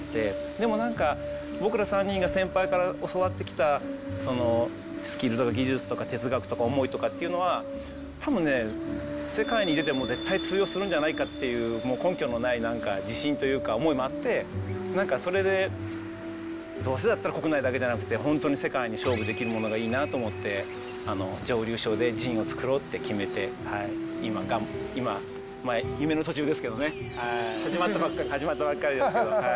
でもなんか、僕ら３人が先輩から教わってきた、そのスキルとか技術とか哲学とか思いというのは、多分ね、世界に出ても絶対通用するんじゃないかっていう根拠のないなんか自信というか、思いもあって、なんかそれでどうせだったら国内だけじゃなくて、本当に世界に勝負できるものがいいなと思って、蒸留所でジンを造ろうって決めて、始まったばっかり。